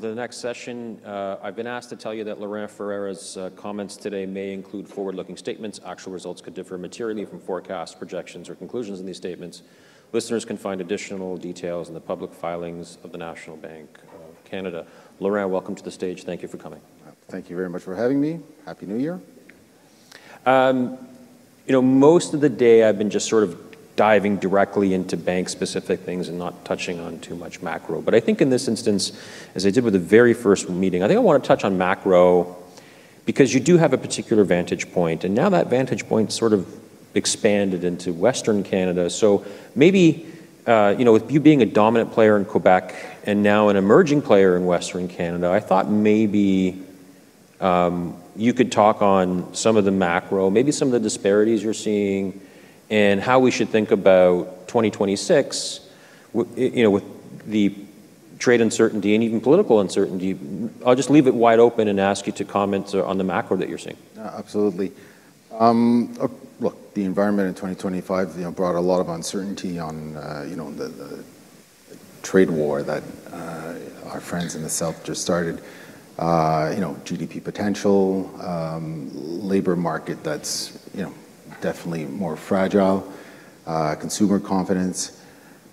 For the next session, I've been asked to tell you that Laurent Ferreira's comments today may include forward-looking statements. Actual results could differ materially from forecasts, projections, or conclusions in these statements. Listeners can find additional details in the public filings of the National Bank of Canada. Laurent, welcome to the stage. Thank you for coming. Thank you very much for having me. Happy New Year. You know, most of the day I've been just sort of diving directly into bank-specific things and not touching on too much macro. But I think in this instance, as I did with the very first meeting, I think I want to touch on macro because you do have a particular vantage point, and now that vantage point sort of expanded into Western Canada, so maybe, you know, with you being a dominant player in Quebec and now an emerging player in Western Canada, I thought maybe you could talk on some of the macro, maybe some of the disparities you're seeing, and how we should think about 2026, you know, with the trade uncertainty and even political uncertainty. I'll just leave it wide open and ask you to comment on the macro that you're seeing. Absolutely. Look, the environment in 2025 brought a lot of uncertainty on, you know, the trade war that our friends in the South just started. You know, GDP potential, labor market that's, you know, definitely more fragile, consumer confidence.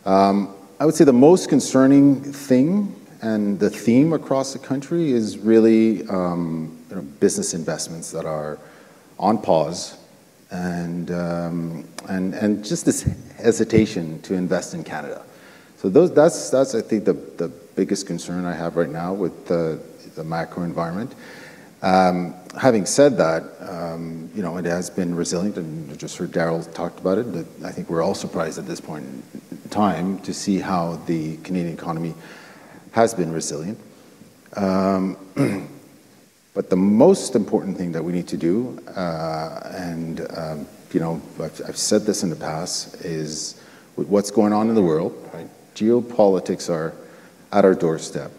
I would say the most concerning thing and the theme across the country is really business investments that are on pause and just this hesitation to invest in Canada. So that's, I think, the biggest concern I have right now with the macro environment. Having said that, you know, it has been resilient, and I just heard Daryl talked about it. I think we're all surprised at this point in time to see how the Canadian economy has been resilient. But the most important thing that we need to do, and, you know, I've said this in the past, is with what's going on in the world, geopolitics are at our doorstep.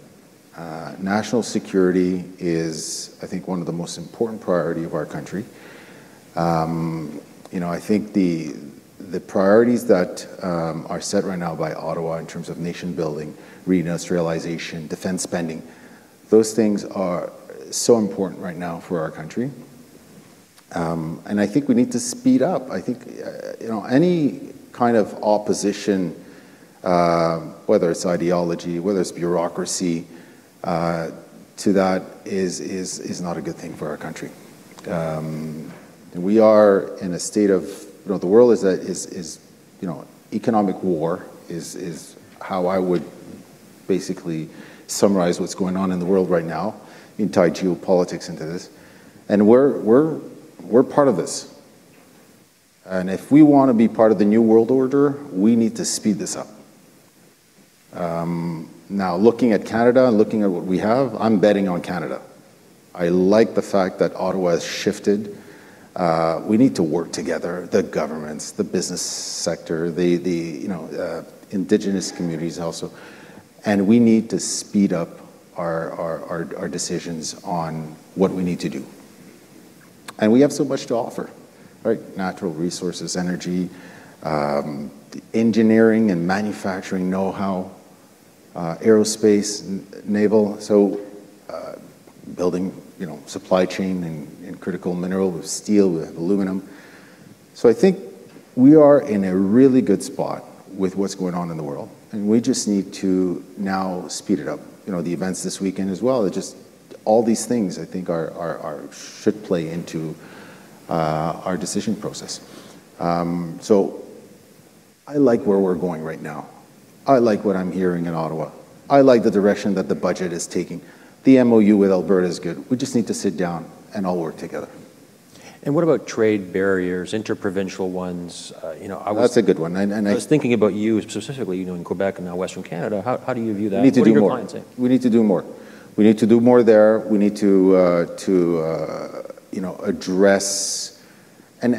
National security is, I think, one of the most important priorities of our country. You know, I think the priorities that are set right now by Ottawa in terms of nation-building, reindustrialization, defense spending, those things are so important right now for our country. And I think we need to speed up. I think, you know, any kind of opposition, whether it's ideology, whether it's bureaucracy, to that is not a good thing for our country. We are in a state of, you know, the world is, you know, economic war is how I would basically summarize what's going on in the world right now, entwined geopolitics into this. And we're part of this. And if we want to be part of the new world order, we need to speed this up. Now, looking at Canada and looking at what we have, I'm betting on Canada. I like the fact that Ottawa has shifted. We need to work together, the governments, the business sector, the, you know, indigenous communities also. And we need to speed up our decisions on what we need to do. And we have so much to offer, right? Natural resources, energy, engineering and manufacturing know-how, aerospace, naval, so building, you know, supply chain and critical mineral. We have steel, we have aluminum. So I think we are in a really good spot with what's going on in the world. And we just need to now speed it up. You know, the events this weekend as well, just all these things, I think, should play into our decision process. So I like where we're going right now. I like what I'm hearing in Ottawa. I like the direction that the budget is taking. The MoU with Alberta is good. We just need to sit down and all work together. What about trade barriers, interprovincial ones? You know. That's a good one. I was thinking about you specifically, you know, in Quebec and now Western Canada. How do you view that? We need to do more. We need to do more. We need to do more there. We need to, you know, address, and,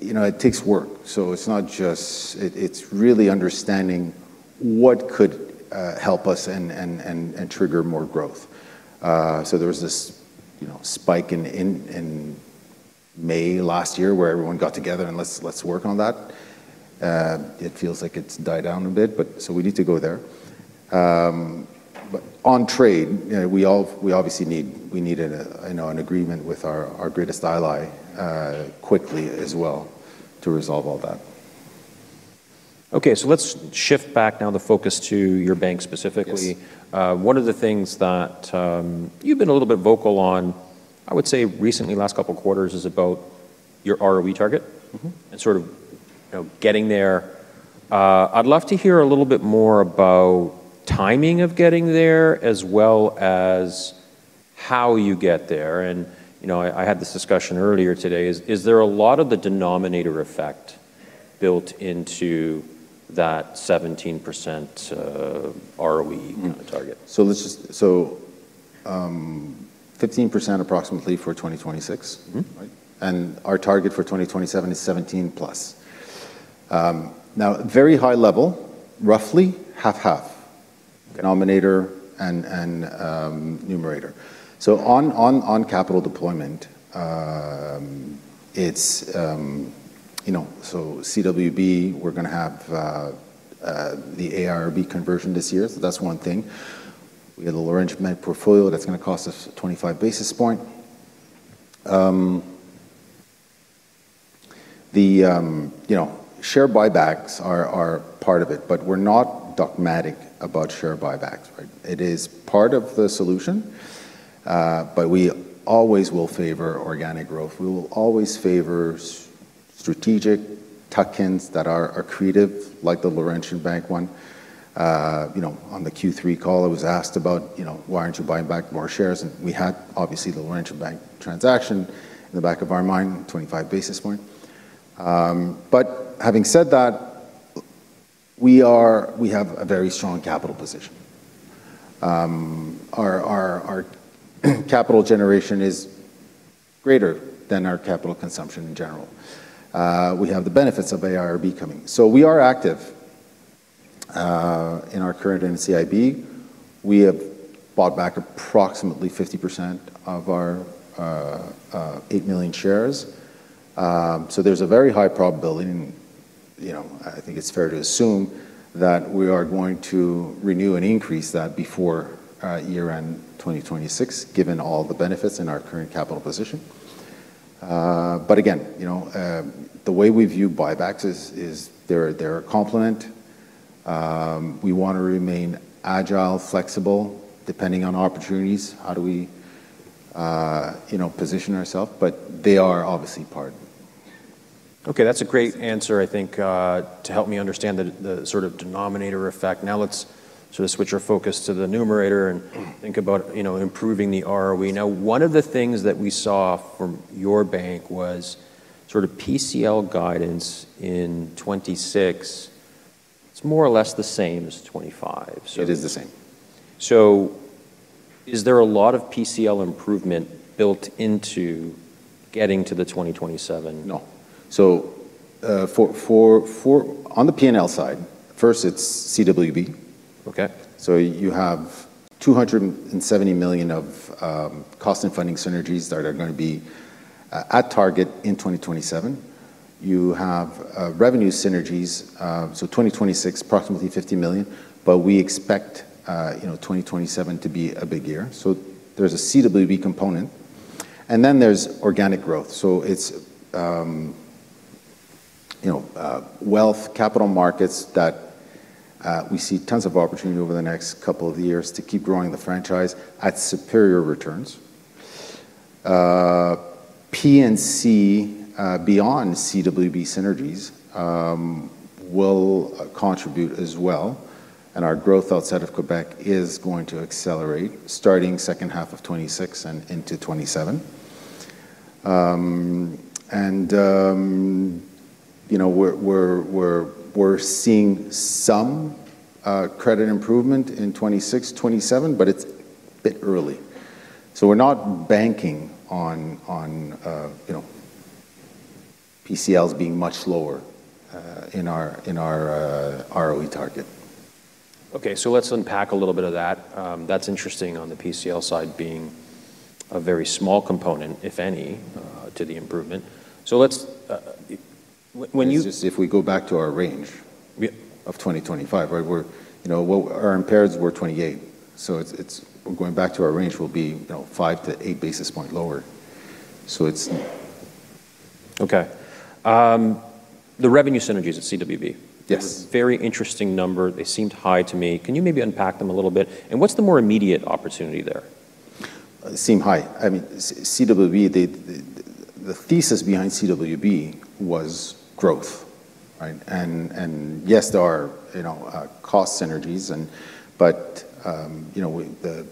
you know, it takes work, so it's not just, it's really understanding what could help us and trigger more growth. So there was this, you know, spike in May last year where everyone got together and let's work on that. It feels like it's died down a bit, but so we need to go there, but on trade, we obviously need, we need an agreement with our greatest ally quickly as well to resolve all that. Okay, so let's shift back now the focus to your bank specifically. One of the things that you've been a little bit vocal on, I would say recently, last couple of quarters, is about your ROE target and sort of getting there. I'd love to hear a little bit more about timing of getting there as well as how you get there, and, you know, I had this discussion earlier today. Is there a lot of the denominator effect built into that 17% ROE target? So 15% approximately for 2026. And our target for 2027 is 17 plus. Now, very high level, roughly half-half, denominator and numerator. So on capital deployment, it's, you know, so CWB, we're going to have the AIRB conversion this year. So that's one thing. We have the Laurentian Bank portfolio that's going to cost us 25 basis points. The, you know, share buybacks are part of it, but we're not dogmatic about share buybacks. It is part of the solution, but we always will favor organic growth. We will always favor strategic tuck-ins that are accretive, like the Laurentian Bank one. You know, on the Q3 call, I was asked about, you know, why aren't you buying back more shares? And we had, obviously, the Laurentian Bank transaction in the back of our mind, 25 basis points. But having said that, we have a very strong capital position. Our capital generation is greater than our capital consumption in general. We have the benefits of AIRB coming. So we are active in our current NCIB. We have bought back approximately 50% of our eight million shares. So there's a very high probability, and, you know, I think it's fair to assume that we are going to renew and increase that before year-end 2026, given all the benefits in our current capital position. But again, you know, the way we view buybacks is they're a complement. We want to remain agile, flexible, depending on opportunities. How do we, you know, position ourselves? But they are obviously part. Okay, that's a great answer, I think, to help me understand the sort of denominator effect. Now let's sort of switch our focus to the numerator and think about, you know, improving the ROE. Now, one of the things that we saw from your bank was sort of PCL guidance in 2026. It's more or less the same as 2025. It is the same. So is there a lot of PCL improvement built into getting to the 2027? No. So on the P&L side, first, it's CWB. So you have 270 million of cost and funding synergies that are going to be at target in 2027. You have revenue synergies, so 2026, approximately 50 million, but we expect, you know, 2027 to be a big year. So there's a CWB component. And then there's organic growth. So it's, you know, wealth, capital markets that we see tons of opportunity over the next couple of years to keep growing the franchise at superior returns. P&C beyond CWB synergies will contribute as well. And our growth outside of Quebec is going to accelerate starting second half of 2026 and into 2027. And, you know, we're seeing some credit improvement in 2026, 2027, but it's a bit early. So we're not banking on, you know, PCLs being much lower in our ROE target. Okay, so let's unpack a little bit of that. That's interesting on the PCL side being a very small component, if any, to the improvement. So let's. If we go back to our range of 2025, you know, our impaireds were 28. So going back to our range will be, you know, five to eight basis points lower. So it's. Okay. The revenue synergies at CWB. Yes. Very interesting number. They seemed high to me. Can you maybe unpack them a little bit? And what's the more immediate opportunity there? They seem high. I mean, CWB, the thesis behind CWB was growth, and yes, there are, you know, cost synergies, but, you know, the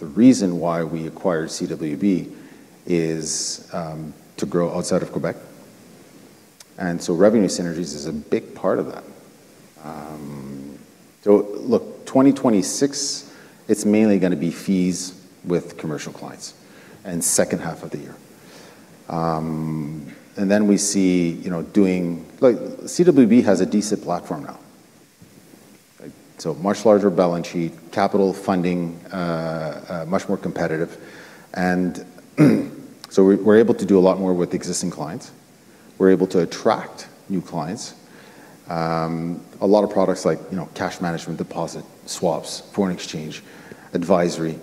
reason why we acquired CWB is to grow outside of Quebec, and so revenue synergies is a big part of that. So look, 2026, it's mainly going to be fees with commercial clients and second half of the year, and then we see, you know, doing, like CWB has a decent platform now, so much larger balance sheet, capital funding, much more competitive, and so we're able to do a lot more with existing clients. We're able to attract new clients. A lot of products like, you know, cash management, deposit, swaps, foreign exchange, advisory,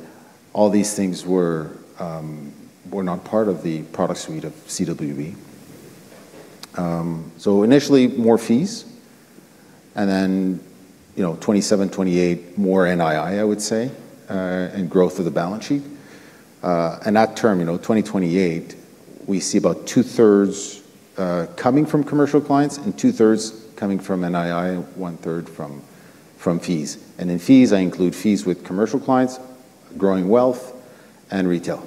all these things were not part of the product suite of CWB, so initially, more fees. Then, you know, 2027, 2028, more NII, I would say, and growth of the balance sheet. That term, you know, 2028, we see about two-thirds coming from commercial clients and two-thirds coming from NII, one-third from fees. In fees, I include fees with commercial clients, growing wealth, and retail.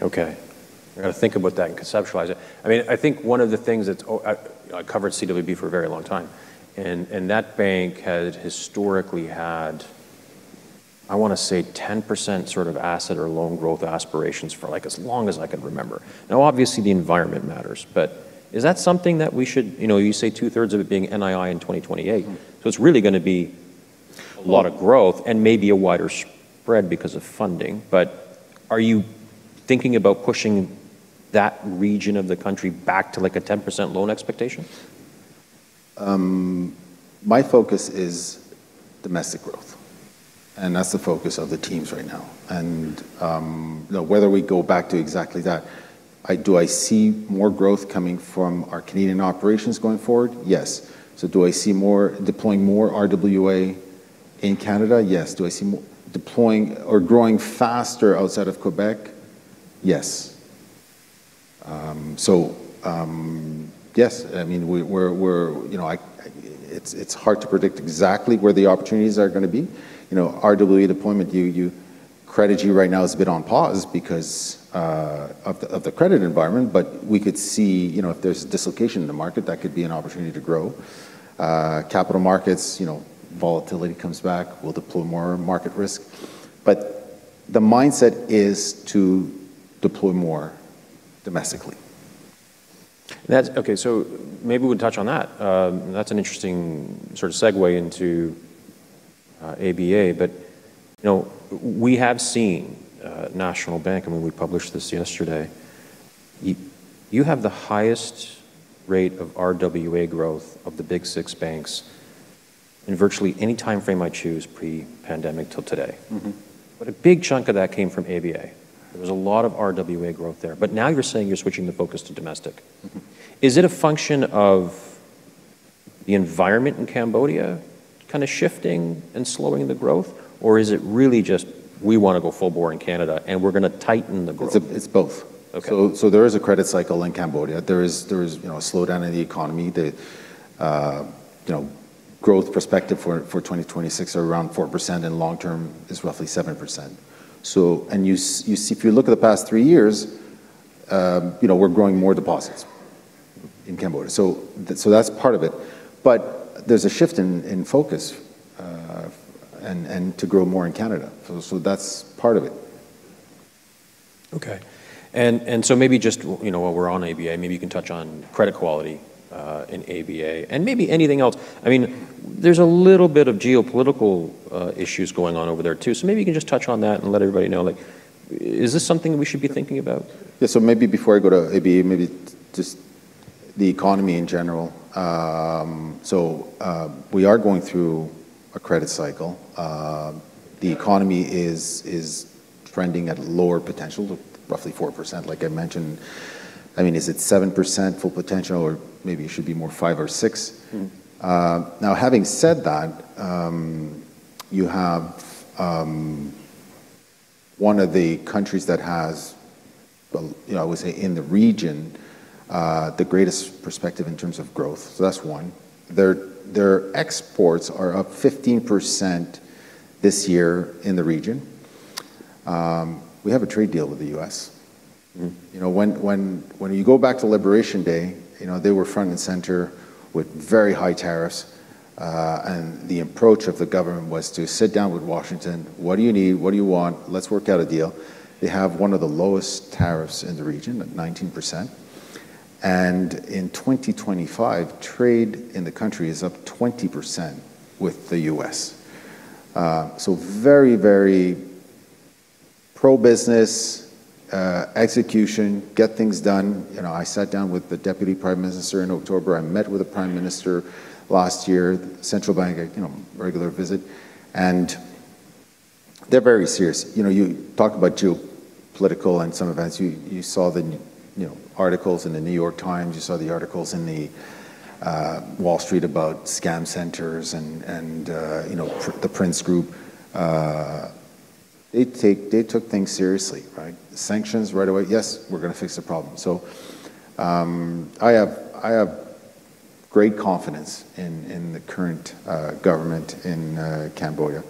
Okay. I got to think about that and conceptualize it. I mean, I think one of the things that's, I covered CWB for a very long time. And that bank had historically had, I want to say, 10% sort of asset or loan growth aspirations for like as long as I can remember. Now, obviously, the environment matters, but is that something that we should, you know, you say two-thirds of it being NII in 2028. So it's really going to be a lot of growth and maybe a wider spread because of funding. But are you thinking about pushing that region of the country back to like a 10% loan expectation? My focus is domestic growth. And that's the focus of the teams right now. And whether we go back to exactly that, do I see more growth coming from our Canadian operations going forward? Yes. So do I see more deploying more RWA in Canada? Yes. Do I see deploying or growing faster outside of Quebec? Yes. So yes, I mean, we're, you know, it's hard to predict exactly where the opportunities are going to be. You know, RWA deployment, U.S. credit right now is a bit on pause because of the credit environment, but we could see, you know, if there's a dislocation in the market, that could be an opportunity to grow. Capital markets, you know, volatility comes back, we'll deploy more market risk. But the mindset is to deploy more domestically. Okay, so maybe we'll touch on that. That's an interesting sort of segue into ABA, but, you know, we have seen National Bank, I mean, we published this yesterday, you have the highest rate of RWA growth of the big six banks in virtually any timeframe I choose pre-pandemic till today. But a big chunk of that came from ABA. There was a lot of RWA growth there. But now you're saying you're switching the focus to domestic. Is it a function of the environment in Cambodia kind of shifting and slowing the growth? Or is it really just we want to go full bore in Canada and we're going to tighten the growth? It's both. So there is a credit cycle in Cambodia. There is a slowdown in the economy. The, you know, growth perspective for 2026 is around 4% and long-term is roughly 7%. So, and if you look at the past three years, you know, we're growing more deposits in Cambodia. So that's part of it. But there's a shift in focus and to grow more in Canada. So that's part of it. Okay. And so maybe just, you know, while we're on ABA, maybe you can touch on credit quality in ABA and maybe anything else. I mean, there's a little bit of geopolitical issues going on over there too. So maybe you can just touch on that and let everybody know, like, is this something we should be thinking about? Yeah, so maybe before I go to ABA, maybe just the economy in general. So we are going through a credit cycle. The economy is trending at lower potential, roughly 4%, like I mentioned. I mean, is it 7% full potential or maybe it should be more 5% or 6%? Now, having said that, you have one of the countries that has, you know, I would say in the region, the greatest perspective in terms of growth. So that's one. Their exports are up 15% this year in the region. We have a trade deal with the U.S. You know, when you go back to Liberation Day, you know, they were front and center with very high tariffs. And the approach of the government was to sit down with Washington, what do you need, what do you want, let's work out a deal. They have one of the lowest tariffs in the region at 19%, and in 2025, trade in the country is up 20% with the U.S. So very, very pro-business, execution, get things done. You know, I sat down with the Deputy Prime Minister in October. I met with the Prime Minister last year, Central Bank, you know, regular visit. And they're very serious. You know, you talk about geopolitical and some events. You saw the, you know, articles in the New York Times. You saw the articles in the Wall Street about scam centers and, you know, the Prince Group. They took things seriously, right? Sanctions right away. Yes, we're going to fix the problem. So I have great confidence in the current government in Cambodia.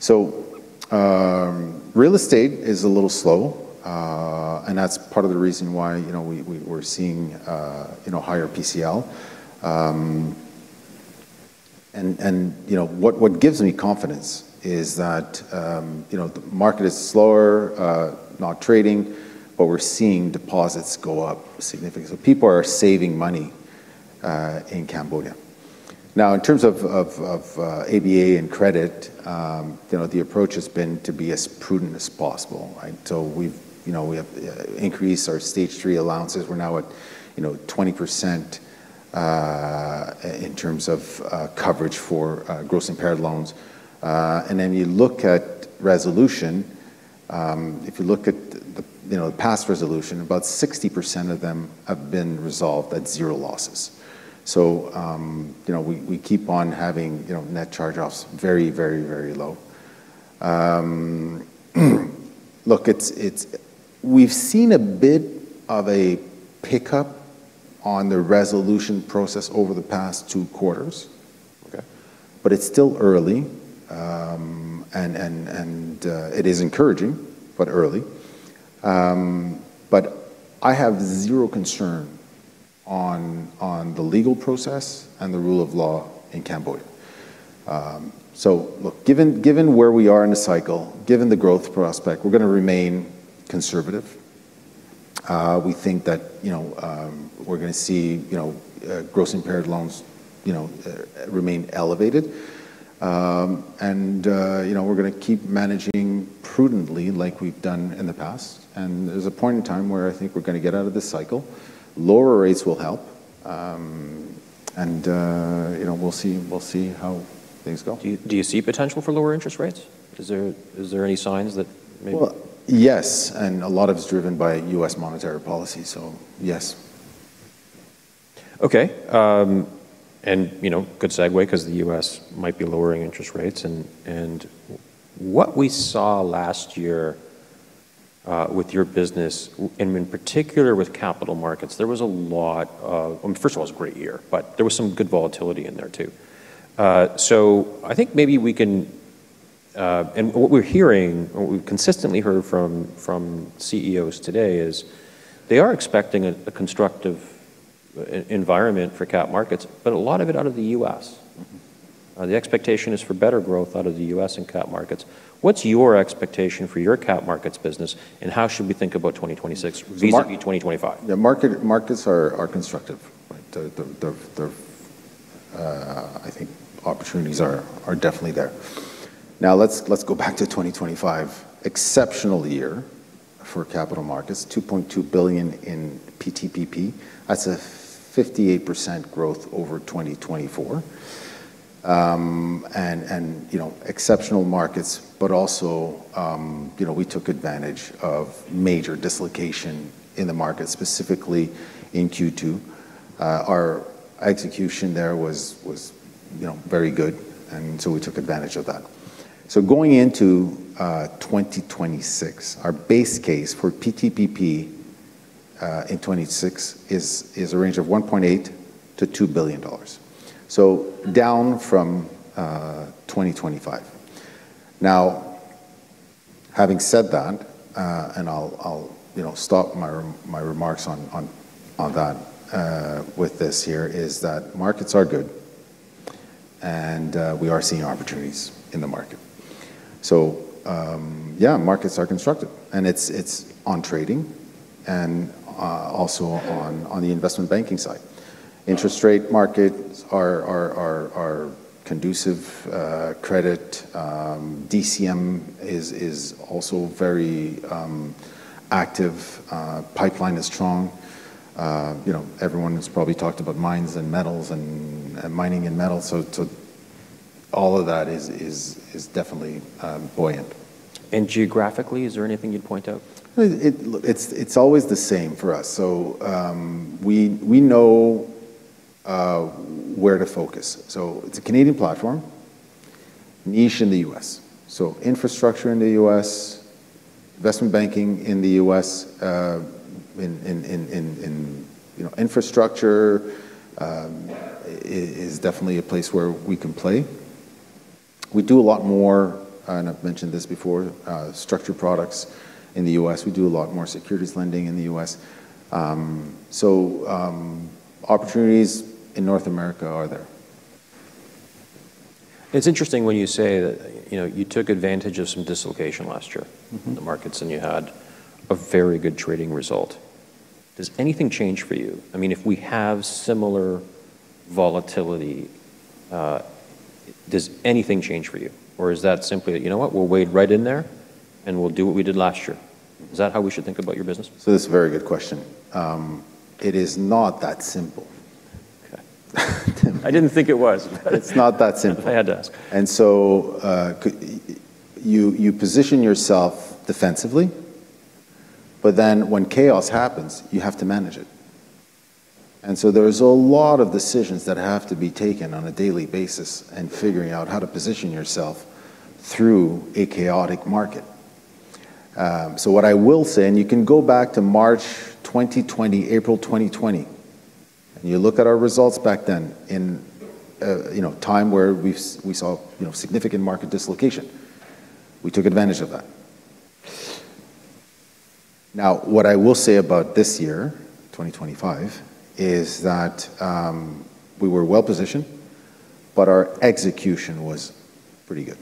So real estate is a little slow. And that's part of the reason why, you know, we're seeing, you know, higher PCL. You know, what gives me confidence is that, you know, the market is slower, not trading, but we're seeing deposits go up significantly. So people are saving money in Cambodia. Now, in terms of ABA and credit, you know, the approach has been to be as prudent as possible. So we've, you know, we have increased our stage three allowances. We're now at, you know, 20% in terms of coverage for gross impaired loans. And then you look at resolution, if you look at the, you know, past resolution, about 60% of them have been resolved at zero losses. So, you know, we keep on having, you know, net charge-offs very, very, very low. Look, we've seen a bit of a pickup on the resolution process over the past two quarters. But it's still early. It is encouraging, but early. But I have zero concern on the legal process and the rule of law in Cambodia. So look, given where we are in the cycle, given the growth prospect, we're going to remain conservative. We think that, you know, we're going to see, you know, gross impaired loans, you know, remain elevated. And, you know, we're going to keep managing prudently like we've done in the past. And there's a point in time where I think we're going to get out of this cycle. Lower rates will help. And, you know, we'll see how things go. Do you see potential for lower interest rates? Is there any signs that maybe? Yes. A lot of it is driven by U.S. monetary policy. Yes. Okay, and you know, good segue because the U.S. might be lowering interest rates, and what we saw last year with your business, and in particular with capital markets, there was a lot of, first of all, it was a great year, but there was some good volatility in there too, so I think maybe we can, and what we're hearing, what we've consistently heard from CEOs today is they are expecting a constructive environment for cap markets, but a lot of it out of the U.S. The expectation is for better growth out of the U.S. and cap markets. What's your expectation for your cap markets business and how should we think about 2026? These are 2025. The markets are constructive. I think opportunities are definitely there. Now let's go back to 2025. Exceptional year for capital markets, 2.2 billion in PTPP. That's a 58% growth over 2024. And, you know, exceptional markets, but also, you know, we took advantage of major dislocation in the market, specifically in Q2. Our execution there was, you know, very good. And so we took advantage of that. So going into 2026, our base case for PTPP in 2026 is a range of 1.8 billion-2 billion dollars. So down from 2025. Now, having said that, and I'll, you know, stop my remarks on that with this here is that markets are good. And we are seeing opportunities in the market. So yeah, markets are constructive. And it's on trading and also on the investment banking side. Interest rate markets are conducive. Credit DCM is also very active. Pipeline is strong. You know, everyone has probably talked about mines and metals and mining and metals. So all of that is definitely buoyant. And geographically, is there anything you'd point out? It's always the same for us. So we know where to focus. So it's a Canadian platform, niche in the U.S. So infrastructure in the U.S., investment banking in the U.S. In, you know, infrastructure is definitely a place where we can play. We do a lot more, and I've mentioned this before, structured products in the U.S. We do a lot more securities lending in the U.S. So opportunities in North America are there. It's interesting when you say that, you know, you took advantage of some dislocation last year in the markets and you had a very good trading result. Does anything change for you? I mean, if we have similar volatility, does anything change for you? Or is that simply, you know what, we'll wade right in there and we'll do what we did last year? Is that how we should think about your business? So that's a very good question. It is not that simple. I didn't think it was. It's not that simple. I had to ask. And so you position yourself defensively, but then when chaos happens, you have to manage it. And so there's a lot of decisions that have to be taken on a daily basis and figuring out how to position yourself through a chaotic market. So what I will say, and you can go back to March 2020, April 2020, and you look at our results back then in, you know, time where we saw, you know, significant market dislocation. We took advantage of that. Now, what I will say about this year, 2025, is that we were well positioned, but our execution was pretty good.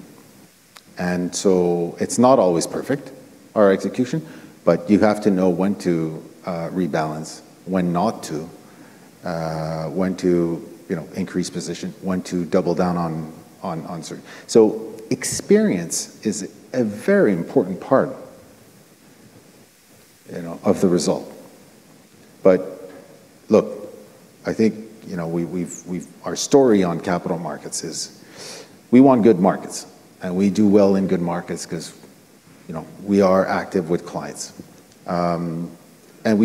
And so it's not always perfect, our execution, but you have to know when to rebalance, when not to, when to, you know, increase position, when to double down on certain. So experience is a very important part, you know, of the result. But look, I think, you know, our story on capital markets is we want good markets and we do well in good markets because, you know, we are active with clients. And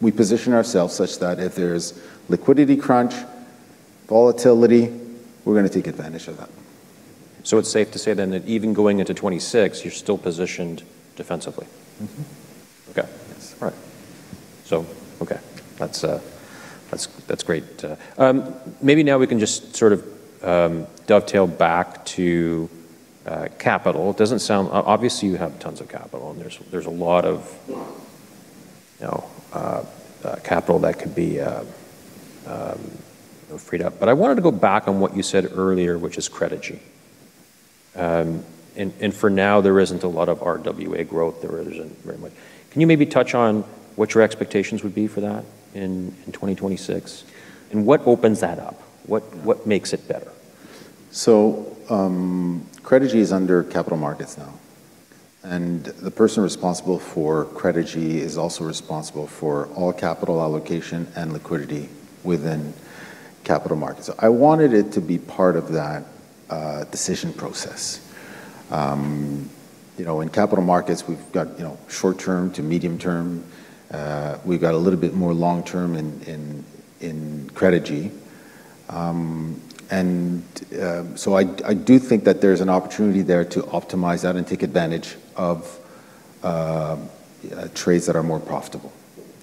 we position ourselves such that if there's liquidity crunch, volatility, we're going to take advantage of that. So it's safe to say then that even going into 2026, you're still positioned defensively. Mm-hmm. Okay. Yes. All right. So, okay. That's great. Maybe now we can just sort of dovetail back to capital. It doesn't sound, obviously you have tons of capital and there's a lot of, you know, capital that could be freed up. But I wanted to go back on what you said earlier, which is Credigy. And for now, there isn't a lot of RWA growth. There isn't very much. Can you maybe touch on what your expectations would be for that in 2026? And what opens that up? What makes it better? So Credigy is under capital markets now. And the person responsible for Credigy is also responsible for all capital allocation and liquidity within capital markets. I wanted it to be part of that decision process. You know, in capital markets, we've got, you know, short-term to medium-term. We've got a little bit more long-term in Credigy. And so I do think that there's an opportunity there to optimize that and take advantage of trades that are more profitable.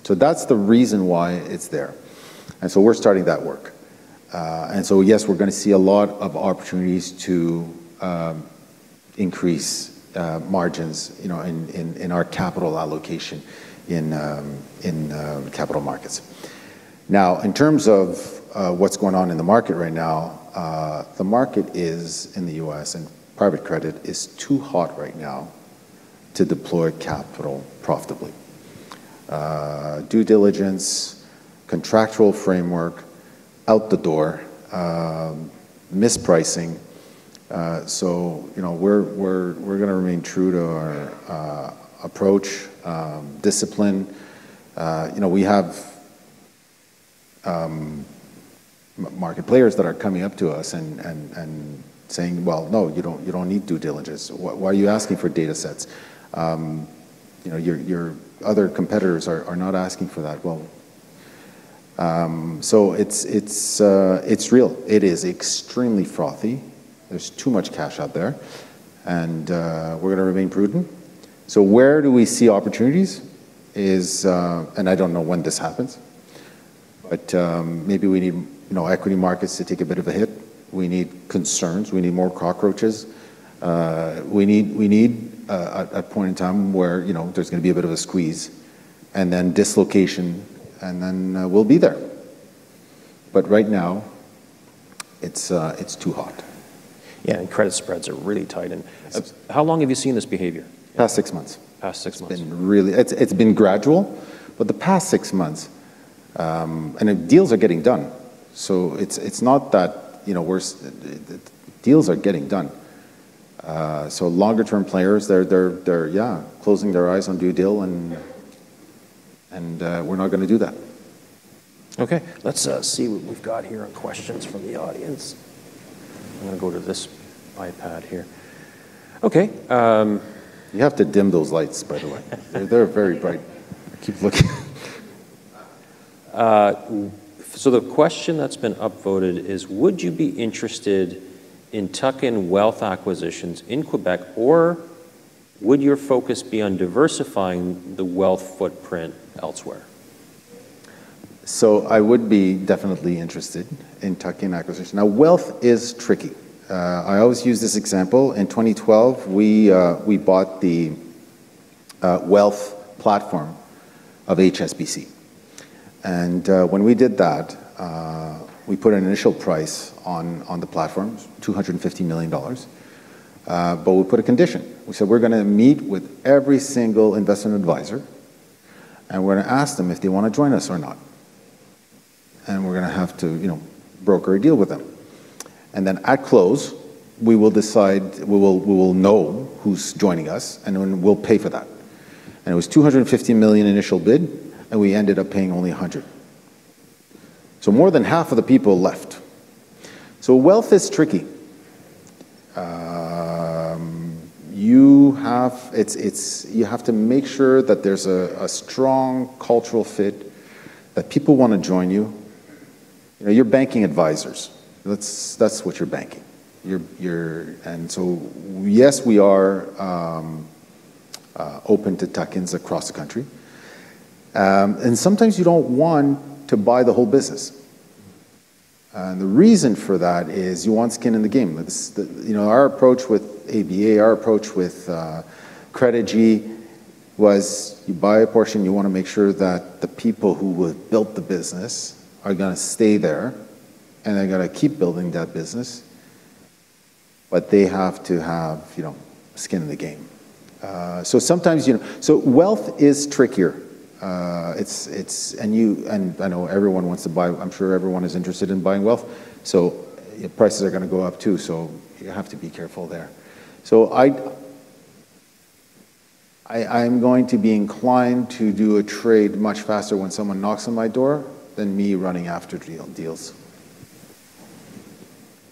So that's the reason why it's there. And so we're starting that work. And so yes, we're going to see a lot of opportunities to increase margins, you know, in our capital allocation in capital markets. Now, in terms of what's going on in the market right now, the market in the U.S. and private credit is too hot right now to deploy capital profitably. Due diligence, contractual framework, out the door, mispricing. You know, we're going to remain true to our approach, discipline. You know, we have market players that are coming up to us and saying, well, no, you don't need due diligence. Why are you asking for data sets? You know, your other competitors are not asking for that. Well, so it's real. It is extremely frothy. There's too much cash out there. We're going to remain prudent. Where do we see opportunities is, and I don't know when this happens, but maybe we need, you know, equity markets to take a bit of a hit. We need concerns. We need more cockroaches. We need a point in time where, you know, there's going to be a bit of a squeeze and then dislocation and then we'll be there. Right now, it's too hot. Yeah, and credit spreads are really tight. And how long have you seen this behavior? Past six months. Past six months. It's been really gradual, but the past six months, deals are getting done. So it's not that, you know, deals are getting done. So longer-term players, they're closing their eyes on due dil and we're not going to do that. Okay. Let's see what we've got here on questions from the audience. I'm going to go to this iPad here. Okay. You have to dim those lights, by the way. They're very bright. I keep looking. The question that's been upvoted is, would you be interested in tuck-in wealth acquisitions in Quebec, or would your focus be on diversifying the wealth footprint elsewhere? I would be definitely interested in tuck-in acquisitions. Now, wealth is tricky. I always use this example. In 2012, we bought the wealth platform of HSBC. And when we did that, we put an initial price on the platform, 250 million dollars. But we put a condition. We said we're going to meet with every single investment advisor and we're going to ask them if they want to join us or not. And we're going to have to, you know, broker a deal with them. And then at close, we will decide, we will know who's joining us and we'll pay for that. And it was 250 million initial bid and we ended up paying only 100 million. So more than half of the people left. So wealth is tricky. You have to make sure that there's a strong cultural fit, that people want to join you. You know, you're banking advisors. That's what you're banking. And so yes, we are open to tuck-ins across the country. And sometimes you don't want to buy the whole business. And the reason for that is you want skin in the game. You know, our approach with ABA, our approach with Credigy was you buy a portion, you want to make sure that the people who built the business are going to stay there and they're going to keep building that business, but they have to have, you know, skin in the game. So sometimes, you know, so wealth is trickier. It's, and you, and I know everyone wants to buy, I'm sure everyone is interested in buying wealth. So prices are going to go up too. So you have to be careful there. So I'm going to be inclined to do a trade much faster when someone knocks on my door than me running after deals.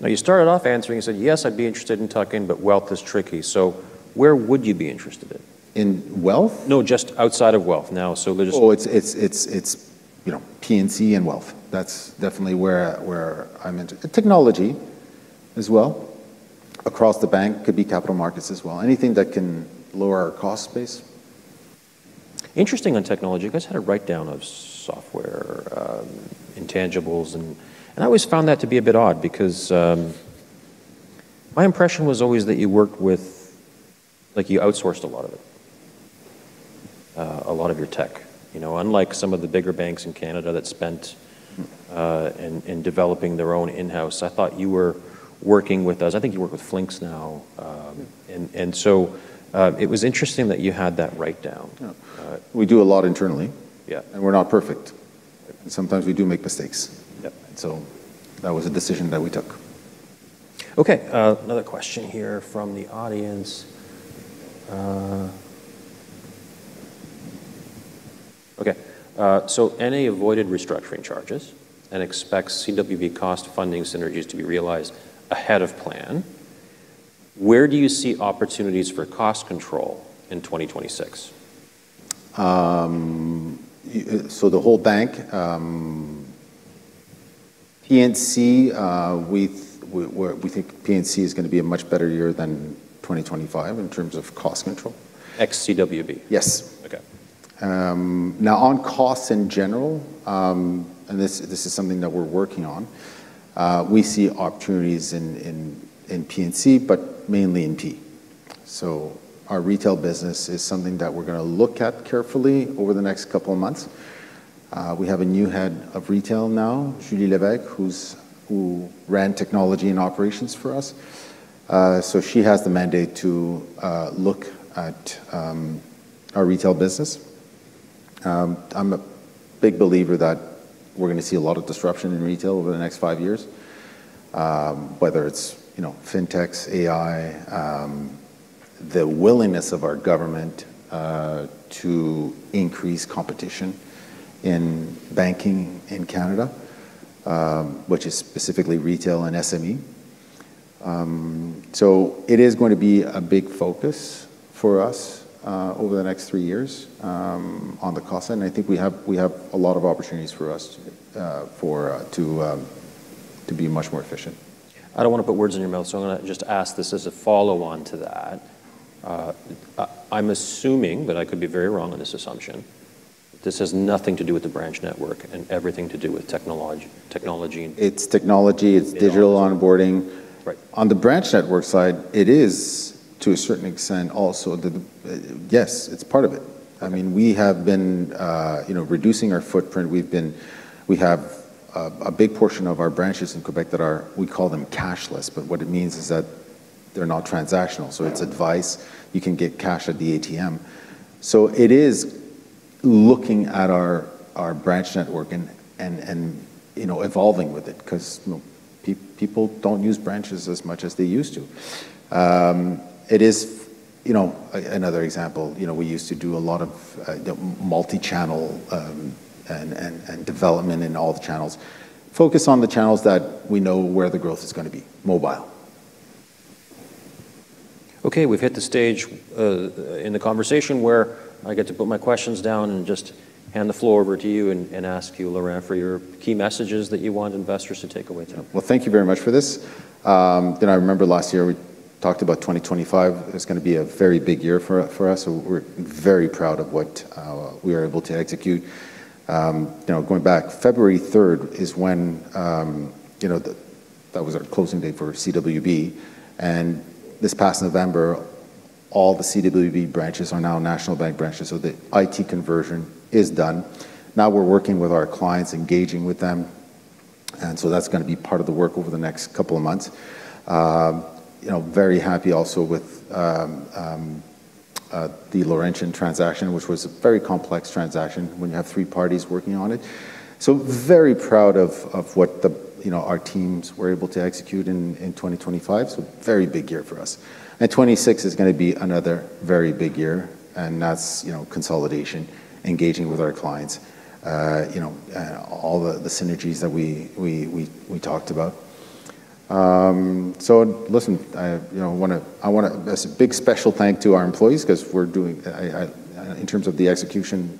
Now you started off answering, you said, yes, I'd be interested in tuck-in, but wealth is tricky. So where would you be interested in? In wealth? No, just outside of wealth now. So there's. Oh, it's you know, P&C and wealth. That's definitely where I'm into. Technology as well. Across the bank could be capital markets as well. Anything that can lower our cost base. Interesting on technology. You guys had a write-down of software, intangibles, and I always found that to be a bit odd because my impression was always that you worked with, like you outsourced a lot of it, a lot of your tech. You know, unlike some of the bigger banks in Canada that spent in developing their own in-house, I thought you were working with us. I think you work with Flinks now. And so it was interesting that you had that write-down. We do a lot internally. Yeah. We're not perfect. Sometimes we do make mistakes. Yep. That was a decision that we took. Okay. Another question here from the audience. Okay. So NA avoided restructuring charges and expects CWB cost funding synergies to be realized ahead of plan. Where do you see opportunities for cost control in 2026? The whole bank, P&C, we think P&C is going to be a much better year than 2025 in terms of cost control. Ex-CWB? Yes. Okay. Now on costs in general, and this is something that we're working on, we see opportunities in P&C, but mainly in P. Our retail business is something that we're going to look at carefully over the next couple of months. We have a new head of retail now, Julie Lévesque, who ran technology and operations for us. She has the mandate to look at our retail business. I'm a big believer that we're going to see a lot of disruption in retail over the next five years, whether it's, you know, fintechs, AI, the willingness of our government to increase competition in banking in Canada, which is specifically retail and SME. It is going to be a big focus for us over the next three years on the cost side. I think we have a lot of opportunities for us to be much more efficient. I don't want to put words in your mouth, so I'm going to just ask this as a follow-on to that. I'm assuming, but I could be very wrong on this assumption, this has nothing to do with the branch network and everything to do with technology. It's technology, it's digital onboarding. Right. On the branch network side, it is to a certain extent also, yes, it's part of it. I mean, we have been, you know, reducing our footprint. We have a big portion of our branches in Quebec that are, we call them cashless, but what it means is that they're not transactional. So it's advice. You can get cash at the ATM. So it is looking at our branch network and, you know, evolving with it because, you know, people don't use branches as much as they used to. It is, you know, another example, you know, we used to do a lot of multi-channel and development in all the channels. Focus on the channels that we know where the growth is going to be, mobile. Okay. We've hit the stage in the conversation where I get to put my questions down and just hand the floor over to you and ask you, Laurent, for your key messages that you want investors to take away today. Well, thank you very much for this. You know, I remember last year we talked about 2025. It's going to be a very big year for us. So we're very proud of what we were able to execute. You know, going back, February 3rd is when, you know, that was our closing date for CWB. And this past November, all the CWB branches are now National Bank branches. So the IT conversion is done. Now we're working with our clients, engaging with them. And so that's going to be part of the work over the next couple of months. You know, very happy also with the Laurentian transaction, which was a very complex transaction when you have three parties working on it. So very proud of what the, you know, our teams were able to execute in 2025. So very big year for us. 2026 is going to be another very big year. That's, you know, consolidation, engaging with our clients, you know, and all the synergies that we talked about. Listen, you know, I want to. That's a big special thank you to our employees because we're doing, in terms of the execution,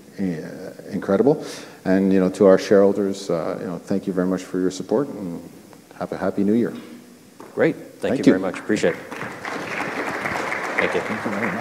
incredible. To our shareholders, you know, thank you very much for your support and have a happy new year. Great. Thank you very much. Appreciate it. Thank you. Thank you.